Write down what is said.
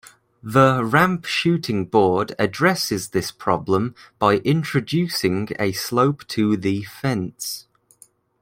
The "ramped shooting board" addresses this problem by introducing a slope to the fence.